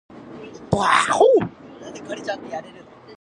遠くのぞみ見てその素晴らしさにため息を吐く。高貴の人などを敬慕してうらやむこと。